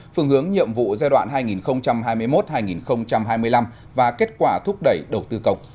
phương hướng nhiệm vụ giai đoạn hai nghìn hai mươi một hai nghìn hai mươi năm và kết quả thúc đẩy đầu tư cộng